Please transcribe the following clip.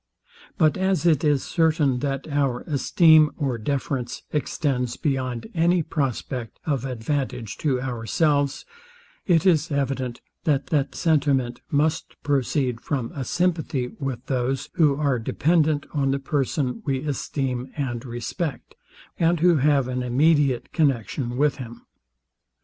But as it is certain, that our esteem or deference extends beyond any prospect of advantage to ourselves, it is evident, that that sentiment must proceed from a sympathy with those, who are dependent on the person we esteem and respect, and who have an immediate connexion with him.